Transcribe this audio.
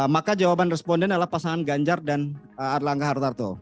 maka jawaban responden adalah pasangan ganjar dan erlangga hartarto